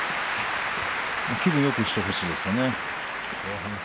気分よくしてほしいですよね。